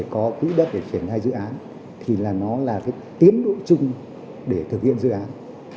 chúng ta là tiến đội chung để thực hiện dự án